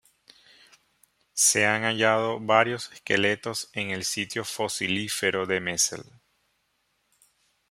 Se han hallado varios esqueletos en el sitio fosilífero de Messel.